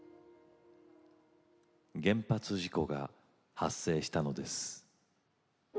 原発事故が発生したのです。